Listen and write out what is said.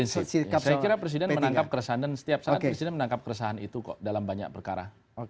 saya kira presiden menangkap keresahan dan setiap saat presiden menangkap keresahan itu kok dalam banyak perkara